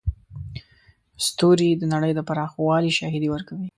ستوري د نړۍ د پراخوالي شاهدي ورکوي.